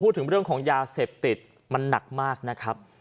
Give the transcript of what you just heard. พูดถึงเรื่องของยาเสพติดมันหนักมากนะครับ